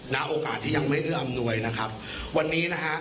โอกาสที่ยังไม่เอื้ออำนวยนะครับวันนี้นะฮะ